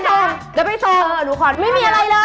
กดซึ้ง